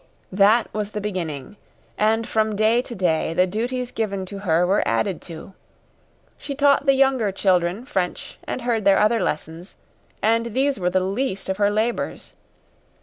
That was the beginning, and from day to day the duties given to her were added to. She taught the younger children French and heard their other lessons, and these were the least of her labors.